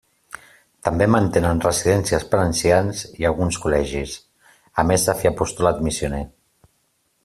També mantenen residències per a ancians i alguns col·legis, a més de fer apostolat missioner.